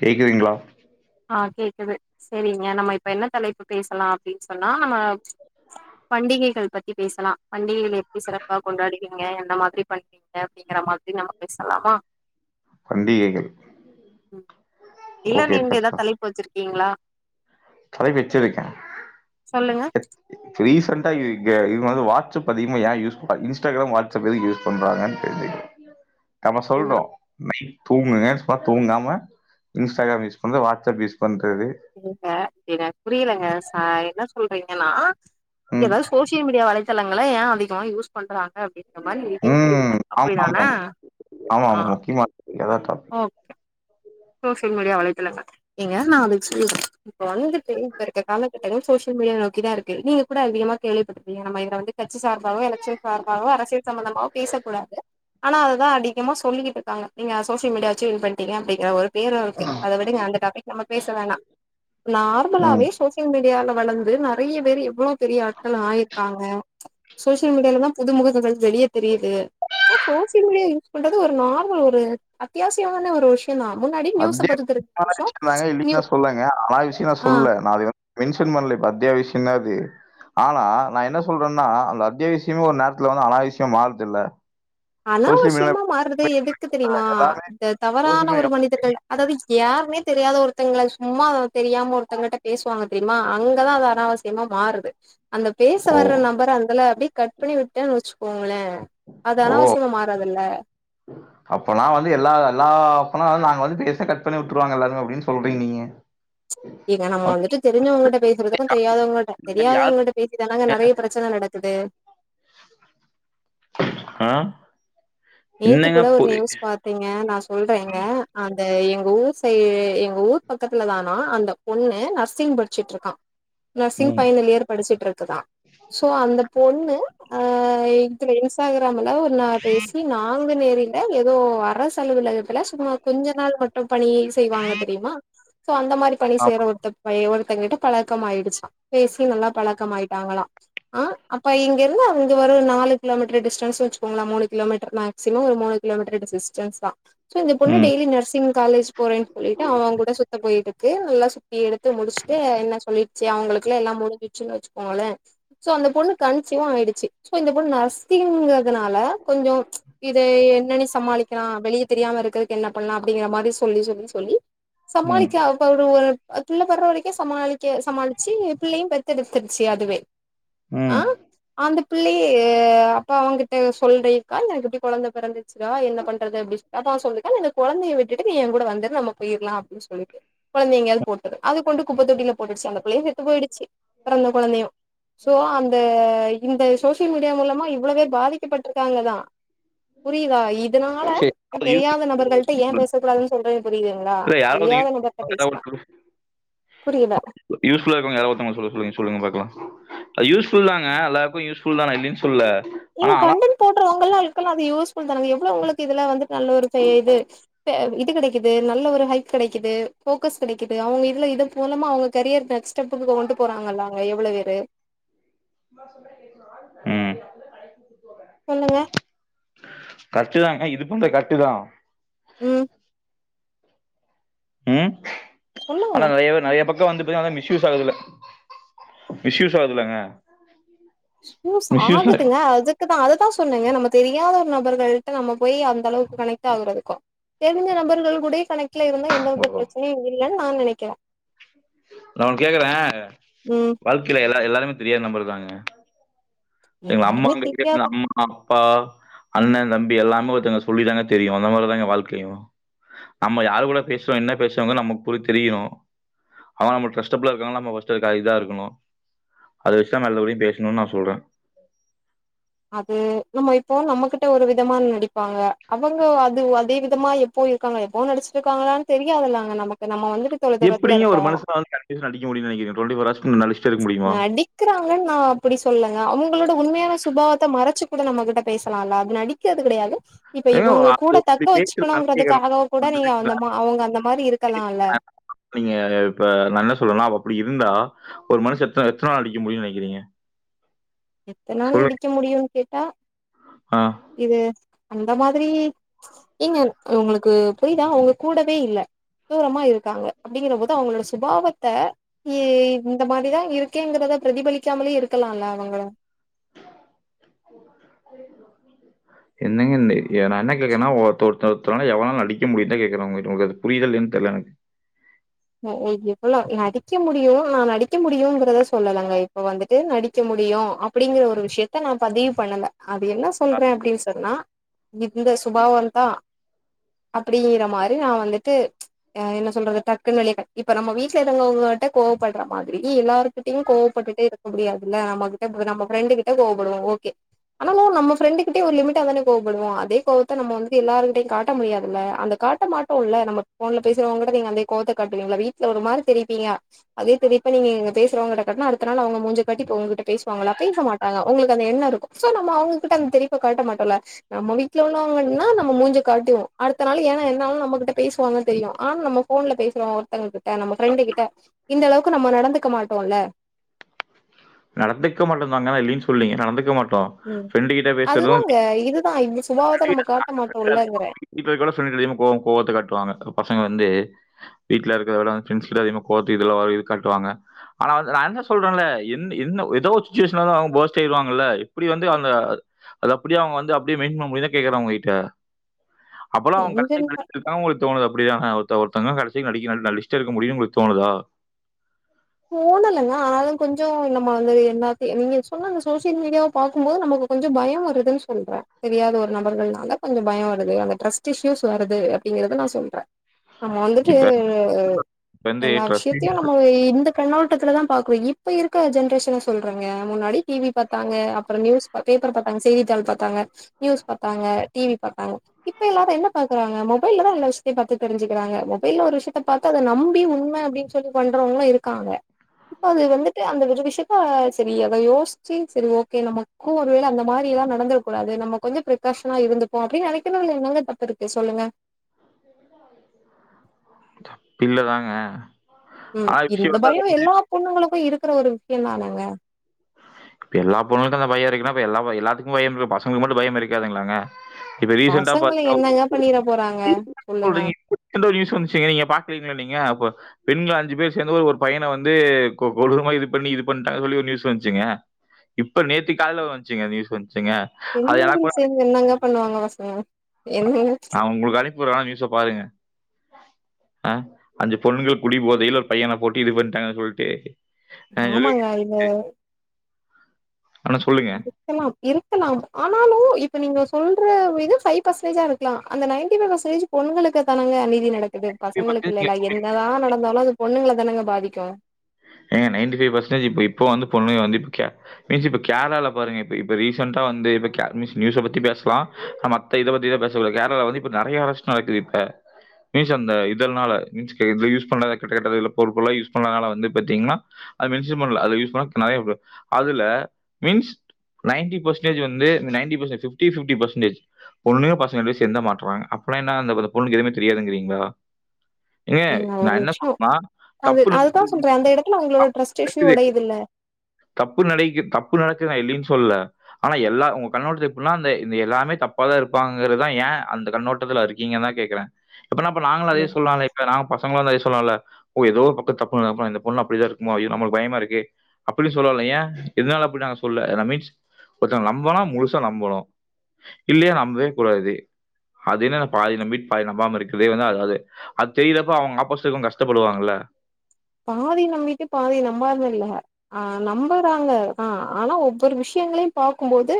கேக்குதுங்களா ஆ கேக்குது செரிங்க நம்ம இப்ப என்ன தலைப்பு பேசலா அப்டின்னு சொன்னா நம்ம பண்டிகைகள் பத்தி பேசலா, பண்டிகைகள் எப்டி சிறப்பா கொண்டாடுவீங்க எந்த மாதிரி பண்டி க அப்டிங்கிற மாதிரி நம்ம பேசலாமா பண்டிகைகள் ம் இல்ல ஓகே நீங்க ஏதா பேசலாம் தலைப்பு வச்சிருக்கீங்ளா? தலைப்பு வெச்சிருக்கே சொல்லுங்க ரீசெண்டா இங்க இவங்க வந்து வாடஸ்அப் அதிகமா ஏ யூஸ் ப இன்ஸ்டாக்ராம் வாடஸ்அப் எதுக்கு யூஸ் பண்றாங்கனு தெரிஞ்சுக்க நம்ம சொல்றோ ம். நைட் தூங்குங்க சும்மா தூங்காம இன்ஸ்டாக்ராம் யூஸ் பண்றது வாட்ஸ்அப் யூஸ் பண்றது செரிங்க எனக் புரியலங்க ச என்ன சொல்றீங்கன்னா ம் ஏதாவது சோசியல் மீடியா வலை தளங்கள ஏ அதிகமா யூஸ் பண்றங்க அப்டின் இந்த மாரி நீங்க ம் கேக்றீங்க ஆமா அப்டிதான ஆமா ஆமா ஆமா ஆ முக்கியமான ஆ அதான் டாபிக் ஓகே சோசியல் மீடியா வலைதளங்க நீங்க நா அத சொல்றே இப்ப வந்துட்டு இப்ப இருக்கற காலகட்டங்கள் சோசியல் மீடியா நோக்கிதா இருக்கு நீங்க கூட அதிகமா கேள்விப்பட்டுப்பிங்க நம்ம இத வந்து கட்சி சார்பாவு எலக்சல் சார்பாவு அரசியல் சம்பந்தமோ பேசக் கூடாது ஆனா அதாத அதிகமா சொல்லிட்டு இருக்காங்க நீங்க சோசியல் மீடியா வெச்சி இது பண்ணிட்டீங்க அப்டிங்கற ஒரு பேரு இருக்கு அத விடுங்க அந்த டாப்பிக் நம்ம பேச வேணா ம் நார்மலாவே சோசியல் சோசியல் மீடியாவால வளர்ந்து நெறைய பேர் எவ்ளோ பெரிய ஆட்கள் ஆயிருக்காங்க சோசியல் மீடியாலதா புது முகங்கள் வெளியே தெரியுது சோசியல் மீடியா யூஸ் பண்றது ஒரு நார்மல் ஒரு அத்தியாவசியமான ஒரு விஷியந்தா அத்தியா [inaudible] இல்லின்னு நியூ நா சொல்லங்க ஆனாவிஷியே நா ஆ சொல்ல நா மென்ஷன் பண்ல இப்ப அத்தியாவசியந்தா அது ஆனா நா என்ன சொல்றேன்னா அந்த அத்தியாவிசயமே ஒரு நேரத்துல வந்து அனாவிசயமாதுல்ல அனாவிசியமா மாறுறது எதுக்கு தெரியுமா எல்லாமே இந்த சோசியல் தவறான ஒரு மீடியா மனிதர்கள் அதாவது யாருனே தெரியாத ஒருத்தங்கள சும்மா தெரியாம ஒருத்தங்கிட்ட பேசுவாங்க தெரியுமா அங்கதா அது அனாவசியமா மாறுது அந்த பேச ஓ! வர நம்பர அந்தால அப்டியே கட் பண்ணி விட்டேன்னு வெச்சுக்கோங்களே அது அனாவசி மாறதுல்ல அப்போல வந்து எல்லா எல்லா அப்பன நாங்க வந்து பேச கட் பண்ணி விட்டுருவாங்க எல்லாரு அப்டின்னு சொல்றீங்க நீங்க இல்லங்க நம்ம வந்துட்டு தெரிஞ்சவங்கிட்ட பேசுறதுக்கு தெரியாதவங்கிட்ட தெரியாதவங்கட்ட பேசிதானங்க நெறைய பிரச் ச்சன நடக்குது ஆ நேத்து என்னங்க கூட ஒரு போய் நியூஸ் பாத் தேங்க நா சொல்றேங்க அந்த எங்க ஊர் சைடு எங்க ஊர் பக்கத்துல தானா அந்த பொண்ணு நர்சிங் படிச்சிட்டு இருக்கா நர்சிங் ம். பைனல் இயர் படிச்சிட்டு இருக்குதா சோ அந்த பொண்ணு ஆ இதுல இன்ஸ்டாகிராம்ல ஒரு நாள் பேசி நாங்கு நேரில ஏதோ அரசு அலுவலக த்துல சும்மா கொஞ்ச நாள் மட்டு பணியை செய்வாங்க தெரியுமா சோ அந்த மாரி பணி ஆமா. சேர ஒருத்த ஒருத்தங்ககிட்ட பழக்கம் ஆயிடுச்சா பேசி நல்லா பழக்கம் ஆயிட்டாங்களா ஆ அப்ப இங்க இருந்து அங்க ஒரு நாலு கிலோமீட்டர் டிஸ்டன்ஸ் வெச்சுக்கோங்களா மூனு கிலோமீட்டர் மேக்சிமம் ஒரு மூணு கிலோமீட்டர் டிஸ்டன்ஸ்தா சோ அந்த பொண்ணு ம். டெய்லி நர்சிங் காலேஜ் போறேன்னு சொல்லிட்டு அவன் கூட சுத்த போயிருக்கு நல்லா சுத்தி எடுத்து முடிச்சுட்டு என்ன சொல்லி ச்சு அவங்களுக்குல்லா எல்லா முடிஞ்சுச்சுன்னு வெச்சுக்கோங்களே சோ அந்த பொண்ணு கன்சிவு ஆயிடுச்சு சோ இந்த பொண்ணு நர்சிங்கிறதுனால கொஞ்சோ இத என்னன்னு சமாளிக்கலா வெளியே தெரியாம இருக்கிறதுக்கு என்ன பண்லா அப்டிங்கிற மாரி சொல்லி சொல்லி சொல்லி ம். சமாளிக்கா [unintelligible] பிள்ள பெற்ற வரைக்கு சமாளிக்க சமாளிச்சு பிள்ளையு பெத்தெடுத்துடுச்சு அதுவே ஆ ம் அந்த பிள்ளையே அப்ப அவங்கிட்ட சொல்லி எனக்கு இப்ப கொழந்த பெறந்துச்சுட்டுடா என்ன பண்றது அப்டி அப்ப அவ சொல்லிருக்கா இந்த கொழந்தைய விட்டு நீ ஏ கூட வந்துடு நம்ம போயிடலா சொினு சொல்லிட்டு கொழந்தைய எங்கையாவது போட்டுறு அது கொண்டு குப்ப தொட்டில போட்டுச்சு அந்த பிள்ளையே செத்து போயிடுச்சு பெறந்த கொழந்தையு சோ அந்த இந்த சோசியல் மீடியா மூலமா இவ்ளோ பேர் பாதிக்கப்பட்டிருக்காங்கதா புரியுதா இதனால சரி. யாராவது தெரியாத நபர்களிட்ட ஏ பேசக் கூடாதுன்னு சொல்றேனு புரியுதுங்களா இல்ல யாராவது தெரியாத நபர்ட்ட பேசிதா யூஸ்ஃபுல்லா இருக்குவங்க யாராவது ஒருத்தங்க சொல்ல சொல்லுங்க சொல்லுங்க பாக்கலா அது யூஸ்ஃபுல் தாங்க எல்லாருக்கு யூஸ்ஃபுல் தா நா இல்லனு சொல்ல ஆனா ஏங்க ஆனா கண்டன் போடறவங்கள்ளா இருக்கலா அது யூஸ்ஃபுல் தானங்க எவ்ளோ உங்களுக்கு இதுல வந்துட்டு நல்ல ஒரு பேஜு இப்ப இது கிடைக்குது நல்ல ஒரு ஹைப் கெடைக்குது போக்கஸ் கிடைக்குது அவங்க இதுல இது மூலமா அவங்க கரியர் நெக்ஸ் ஸ்டேப்புக்குகிட்ட கொண்டு போறாங்கல்லா அவ்ங்க எவ்வளவேரு ம் சொல்லுங்க கரட்டு தாங்க இது ப இந்த கரட்டு தா ம் ம் சொல்லுங்க ஆனா நெறைய பே நெறைய பக் இப்ப வந்து பாத்து ஆனா மிஸ்யூஸ் ஆகறதில்ல மிஸ்யூஸ் ஆகுதுலங்க ஷூஸ் ஆகுதுங்க அதுக் குதா அதுதா சொன்ன எ நம்ம தெரியாத ஒரு நபர்களிட்ட நம்ம போய் அந்த அளவுக்கு கனெக்ட் ஆகுறதுக்கு தெரிஞ்ச நபர்கள் கூடேயே கணெக்ட்ல இருந்தா எந்த வித ஓ பிரச்சனையு இல்லன்னு நா நெனைக்கிற நா ஒன்னு கேக்குற ம் வாழ்க்கையில எல்ல எல்லாருமே தெரியாதா நம்பர் தாங்க செரிங்களா அம்மா எல்லாருமே தெரியாத [unintelligible] அம்மா அப்பா அண்ணன் தம்பி எல்லாமே ஒருத்தவங்க சொல்லி தாங்க தெரியு அந்த மாதிரிதாங்க வாழ்க்கையு நம்ம யாரு கூட பேசுறோ என்ன பேசுவோன்றது நமக்கு புரி தெரியு அவ நமக்கு டரஸ்டப்பில்லா இருக்காங்கனா நம்ப ஃபர்ஸ்ட் இதுக்க இதா இருக்கன்னு அத வச்ச தா நல்லபடிய பேசணுனு நா சொல்லற அது நம்ம இப்போ நம்மகிட்ட ஒரு விதமான நடிப்பாங்க அவங்க அது அதே விதமா எப் போ இருக்காங்க எப்பவு நடிச்சிருக்காங்களான்னு தெரியாததுல்லாங்க நமக்கு நம்ம வந்துட்டு தொலை தூரத்துல எப்டிங்க ஒரு இருக்கோ மனுஷனால கண்டினுயூஸா நடிக்க முடியுன்னு நெனைக்கிறீங்க டுவென்டி ஃபோர் ஹவர்ஸ் நடிச்சிட்டே இருக்க முடியமா க்கறாங்கன்னு நா அப்டி சொல்லுலங்க அவங்களோட உண்மையான சுபாவ ச்சு கூட நம்மகிட்ட பேசலால்ல அது நடிக்கிறது கெடையாது இப்ப ஏங்க இவங்க அது கூட அப்படி தக்க மேய்ச்சல் கேக்குறேன். வச்சுக்கணுங்கதுக்காக கூட நீங்க அந்த அவங்க அந்த மாரி இருக்கலால்ல நீங்க இப்ப நா என்ன சொல்றேன்னா அவ அப்டி இருந்தா ஒரு மனுஷ எத்தன எத்தன நாள் நடிக்க முடியுனு நெனைக்கிறீங்க எத்தனாலு சொல்லுங்க. நடிக்க முடியுன்னு கேட்டா ஆ. இது அந்த மாதிரி ஏங்க உங்களுக்கு புரிதா அவங்க கூடவே இல்ல தூரமா இருக்காங்க அப்டிங்கிற போது அவங்களோட சுபாவத்த இ இந்த மாதிரிதா இருக் கேங்கிறத பிரதிபலிக்காமலே இருக்கலால அவங்கள என்னங்க நா என்ன கேக்கறன்னா ஒருத்த ஒருத்த ஒருத்தனால எவ்ளவு நாள் நடிக்க முடியுந்தா கேட்குற உங்க கிட்ட உங்களது புரியத இல்லையானு தெரல எனக்கு ஓகே இப்பல்லா நடிக்க முடியு நா நடிக்க முடியங்கறத சொல்லலங்க இப்ப வந்துட்டு நடிக்க முடியு அப் அப்டிங்கிற ஒரு விஷயத்த நா பதிவு பண்ணல அது என்ன சொல்ற அப்டின்னு சொன்னா இந்த சுபாவந்த அப்டி நம்ம அருனா வந்துட்டு ஆ என்ன சொல்றது டக் குன்னு வெளிய காட்டி இப்ப நம்ம வீட்டுல இருக்கவங்கிட்ட கோவப்படுற மாதிரி எல்லாருகிட்டையு கோவப்பட்டுடே இருக் முடியாதுல்ல நம்ம கிட்ட நம்ம ஃப்ரெண்டு கிட்ட கோவப்படுவோ ஓகே ஆனாலு நம்ப ஃப்ரெண்டு கிட்டே ஒரு லிமிட் தானே கோவப்படுவோ அதே கோவத்தை நம்ம வந்து எல்லாரருகிட்டையு காட்ட முடியாதுல்ல அந்த கா ட்ட மாட்டோ இல்ல நம்ப ஃபோன்ல பேசுரோவங்க கிட்ட நீங்க அதே கோவத்த காட்டுவீங்களா வீட்டுல ஒரு மாரி தெரிப்பீங்க அதே தெரியப்பா நீங்க இங்க பேசறவங்க கிட்ட கட்டன்னா அடுத்த நாள் அவங்க மூஞ்ச காட்டி இப்ப உங்கிட்ட பேசுவாங்களா பேச மாட்டாங்க உங்களுக்கு அந்த எண்ண இருக்கு சோ நம்ம அவங்ககிட்ட அந்த தெரியப்ப கட்ட மாட்டோல நம்ம வீட்டுல உள்ளவாங்கன்னா நம்ம மூஞ்ச காட்டிவோ அடுத்த நாள் ஏ என்னாலு நம்மகிட்ட பேசுவாங்கன்னு தெரியும் ஆனா நம்ம ஃபோன்ல பேசுறோ ஒருத்தங்க கிட்ட நம்ம ஃப்ரெண்டு கிட்ட இந்தளவுக்கு நம்ம நடந்துக்க மாட்டோல்ல நடந்துக்க மாட்டோந்தாங்க நா இல்லைன் சொல்லீங்க நடந்துக்க மாட்டோ ம் அதுதாங்க இதுதா இந்த சுபாவத்தா நம்ம காட்ட மாட்டோல்லங்றே இப்ப இது கூட ஃப்ரெண்ட்ஸ் அதிகமா கோவம் கோவத்த காட்டுவாங்க பசங்க வந்து வீட்ல இருக்குறத விட ஃப்ரெண்ட்ஸ் கிட்ட அதிகமா கோவத்தல இதெல்லா இது காட்டுவாங்க ஆனா அது நா தா சொல்றன்ல எந் என்ன எதோ ஒரு சுச்சுவேஷன்ல்ல அவங்க போஸ்ட் ஆயடுவாங்கல்ல இப்டி வந்து அந்த அது அப்டியே அவங்க வந்து அப்டியே மெயின் பண்ண முடிதா கேக்குறா உங்க கிட்ட அப்பலா அவங்க க எங்கன்னு பா [unintelligible] தா உங்குளுக்கு தோணது அப்படிதான ஒருத்த ஒருத்தங்க கடைசி நடிக்கிற ஆளு நடிச்சிட்டே இருக்க முடியுன் உங்குளுக்கு தோணுதா தோணலங்க ஆனாலு கொஞ்சோ நம்ம வந்து என்னா தி நீங்க சொன்ன அந்த சோஷியல் மீடியாவ பாக்கும்போது நமக்கு கொஞ்சோ பயோ வருதுன் சொல்ற தெரியாத ஒரு நபர்கள்னால கொஞ்சோ பயோ வருது அந்த ட்ரஸ்ட் இஷ்யூஸ் வருது அப்டிங்கறத நா சொல்ற நம்ம வந்துட்டு இப்ப வந்து எல்லா ட்ரஸ்டிங் விஷயத்தையு நம்ம இந்த கண்ணோட்டத்துலதா பாக்கு இப்ப இருக்க ஜென்ரேஷன சொல்றங்க முன்னாடி டீவி பாத்தாங்க அப்றோ நியூஸ் ப பேப்பர் பாத்தாங்க செய்தித்தாள் பாத்தாங்க நியூஸ் பாத்தாங்க டீவி பாத்தாங்க இப்ப எல்லாரு என்ன பாக்குறாங்க மொபைல்லதா எல்லா விஷத்தயு பாத்து தெரிஞ்சிகிறாங்க மொபைல்ல ஒரு விஷ்யத்த பாத் து அத நம்பி உண்ம அப்டின் சொல்லி பண்றவங்களு இருக்காங்க இப்ப அது வந்துட்டு அந்த ஒரு விஷயத்த செரி அத யோசிச்சு செரி ஓகே நம்ப கு ஒரு வேள அந்த மாரி எல்லா நடந்துட கூடாது நம்ம கொஞ்சோ பிரிக்காஷனா இருந்துப்போ அப்டின்னு நெனைக்குறதுல என்னங்க தப்பு இருக்கு சொல்லுங்க தப்பில்லதாங்க ம் இந்த பயோ எல்லா பொண்ணுங்களுக்கு இருக்கு ற ஒரு விஷ்யந்தானங்க இப்ப எல்லா பொண்ணுங்களுக்கு அந்த பயோ இருக்குன்னா இப்ப எல்லா எல்லாத்துக்கு பயம் இருக்கு பசங்களுக்கு மட்டு பயம் இருக்காதுங்ளாங்க இப்ப ரீசெண்ட்டா பசங்கள பாத்தீ [inaudible] என்னங்க பண்ணிற போறாங்க சொல்லுங்க எந்த ஒரு நியூஸ் வந்துச்சுங்க நீங்க பாக்குலிங்களா நீங்க அப்ப பெண்கள் அஞ்சு பேர் சேந்து ஒரு பையன வந்து கொ கொடூரமா இது பண்ணி இது பண்ட்டாங்க சொல்லி ஒரு நியூஸ் வந்துச்சுங்க இப்ப நேத்து காலைல வந்துச்சுங்க நியூஸ் வந்துச்சுங்க அது எனக்கு பெண்கள் கூட சேந்து என்னங்க பண்ணுவாங்க பசங்கள என்னங்க நா உங்குளுக்கா ஒரு நாள் நியூஸ பாருங்க ஆ அந்த பொண்ணுங்க குடி போதைல ஒரு பையனை போட்டு இது பண்ட்டாங்கன்னு சொல்லிட்டு ஆ சொல்லி ஆமாங்க அத ஆனா சொல்லுங்க க்கலா இருக்கலாம் ஆனாலு இப்ப நீங்க சொல்ற இது ஃபை பர்சன்டேஜா இருக்கலா அந்த நைட்டி ஃபை பர்சன்டேஜ் பொண்களுக்கு தானங்க அநீதி நடக்குது பசங்களுக்கு இல்லல என்னதா நடந்தாலு அது பொண்ணுங்கள தானங்க பாதிக்கு ஏங்க நைன்டி ஃபைவ் பர்சன்டேஜ் இப்ப இப்போ வந்து பொண்ணுங்க வந்து இப்ப கே பேசி இப்ப கேரளால பாருங்க இப்ப இப்ப ரீசென்ட்டா வந்து இப்ப கே நியூஸ் நியூஸ பத்தி பேசலா நம இத பத்தி தா பேச கேரளால வந்து இப்ப நறைய அரெஸ்ட் நடக்குது இப்ப [unintelligible] அந்த இதனால ட்ரிங்க்ஸ் இது யூஸ் பண்றத கெட்ட கெட்ட போதை பொருள்லா யூஸ் பண்றனால வந்து பத்தீங்கன்னா அது மென்ஷன் பண்ல அத யூஸ் பண்ணா [unintelligible] அதுல மீன்ஸ் நைன்டி பர்சடேஜ் வந்து இந்த ninety percent fifty fifty percentage பொண்ணு பசங்க ரெண்டுபேரு சேந்துதா மாட்றாங்க அப்பனா என்னா அந்த பொண்ணுக்கு எதுமே தெரியாதுங்றீங்களா நீங்க ஒரு விஷ்யோ அது தப்பு அதுதா சொல்ற அந்த எடத்துல உங்களோட ட்ரெஸ்ட் இஷ்யூ நடக்குது உடையிதுல தப்பு நடிக்கி தப்பு நடக்குது நா இல்லைன் சொல்ல ஆனா எல்லா உங்க கண்ணோட்டத்துல எப்புன்னா அந்த இந்த எல்லாமே தப்பாதா இருப்பாங்கங்குறதா ஏன் அந்த கண்ணோட்டத்துல இருக் கீங்க தா கேக்குறே அப்பனா அப்ப நாங்களு அதே சொல்லால இப்ப நாங்க பசங்களு அதே சொல்லால ஓ ஏதோ பக்க தப்பு நடக்கு பொண்ணு அப்டிதா இருக்குமோ ஐயோ நம்மளுக்கு பயமா இருக்கு அப்டின் சொல்லலால ஏன் எதனால அப்டி நாங்க சொல்ல ஏனா மீன்ஸ் ஒருத்தங்கள நம்பனா முழுசா நம்பணு இல்லையா நம்பவே கூடாது அது என்னா அது பாதி நம்பிட்டு பாதி நம்பாம இருக்கறது வந்து அது அது தெரியறப்ப அவங்க ஆப்போசிட்ல இருக்கவங்க கஷ்டப்படுவாங்கல்ல பாதி நம்பிட்டு பாதி நம்பாம இல்ல ஆ நம்பறாங்க தா ஆனா ஒவ்வொரு விஷயங்களையு பார்க்கும்போது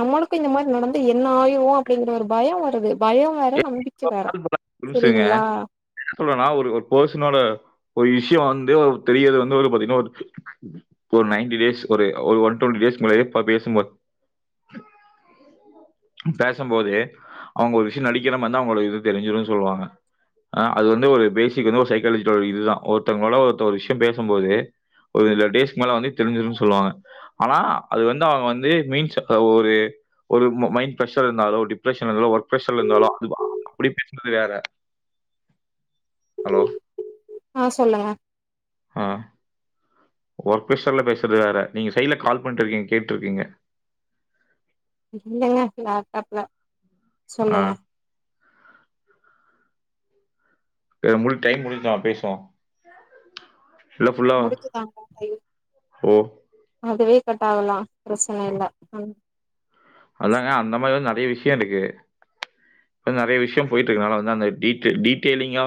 நம்மளுக்கு இந்த மாரி நடந்து என்ன ஆயிடுவோ அப்படிங்கற ஒரு பயம் வருது பயம் [inaudible] புரிஞ்சிங்க என்ன சொல்றனா ஒரு ஒரு பெர்சனோட ஒரு இஷ்யூ வந்து ஒரு பெரிய இது வந்து ஒரு பாத்தீங்னா ஒரு ஒரு நைன்டி டேஸ் ஒரு ஒன் டுவெண்டி டேஸ் முன்னாடியே பாத்து பேசும்போது பேசும்போதே அவங்க ஒரு விஷயம் நடிக்கிற மாரி இருந்தா அவங்களோட இது தெரிஞ்சிடு சொல்லுவாங்க ஆ அது வந்து ஒரு பேசிக் வந்து ஒரு சைக்காலஜி இதுதா ஒருத்தவங்களோட ஒருத்த ஒரு விஷயம் பேசும்போது ஒரு இந்த டேஸ்க்கு மேல வந்து தெரிஞ்சிடும்ன்னு சொல்வாங்க ஆனா அது வந்து அவங்க வந்து மீன்ஸ் ஒரு ஒரு மைன் ப்ரெஷர் இருந்தாலு டிப்ரஷன் இருந்தாலு ஒர்க் ப்ரஷர்ல இருந்தாலு அது அப்டி பேசுறது வேற ஹலோ ஆ சொல்லுங்க ஆ ஒர்க் ஃப்ரெஷர்ல பேசுறது வேற நீங்க சைடுல கால் பண்ணிட்டு இருக்கீங்க கேட் இருக்கீங்க இல்ல லேப்டாப்ல ஆ. சொல்லுங்க செரி முடிஞ் டைம் முடிச்சிட்டு வாங்க பேசுவோ இல்ல ஃபுல்லா முடிச்சுதாங்க ஓ அதுவே கட் ஆகலா பிரச்சன இல்ல அதாங்க அந்த மாரி வந்து நறைய விஷய இருக்கு இன்னு நறைய விஷய போயிட்டு இருக்கு அதனால வந்து அந்த ஃடீட்டு ஃடீட்டெய்லிங்கா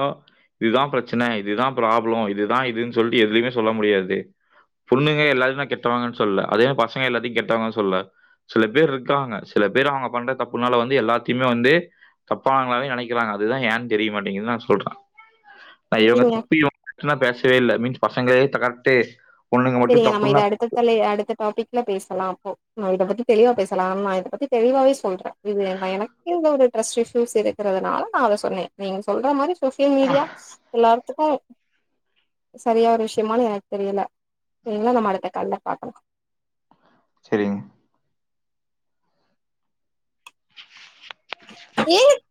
இதுதா பிரச்சன இதுதா ப்ராப்ளம் இதுதா இதுன் சொல்ட்டு எதுமே சொல்ல முடியாது பொண்ணுங்க எல்லாரு நா கெட்டவாங்கன்னு சொல்ல அதே பசங்க எல்லாத்தையு கெட்டவங்கனு சொல்ல சில பேரு இருக் காங்க சில பேர் அவங்க பண்ற தப்புனால வந்து எல்லாத்தையுமே வந்து தப்பானவங்களாவே நெனைக்கிறாங்க அதுதா ஏன்னு தெரியமாட்டேங்குது நா சொல்ற நா இவங்க செரிங்க தப்பு இவங்க கரக்ட்டுனலா பேசவே இல்ல மீன்ஸ் பசங்களே கரெக்டே செரிங்க நம்ம இத அடுத்த தல அடுத்த டாபிக்ல பேசலா அப்போ நா இதப் பத்தி தெளிவா பேசலா ஆ நா இதப்பத்தி தெளிவாவே சொல்ற இது எனக்கே இது ஒரு டிரஸ்ட் இஸ்யூஸ் இருக்கிறதுனால நா அத சொன்ன நீங்க சொல்ற மாரி சோசியல் மீடியா எல்லார்த்துக்கு சரியான ஒரு விஷயமானு எனக்கு தெரில செரிங்ளா நம்ம அடுத்த கால்ல பாக்கலா செரிங் ஏங்க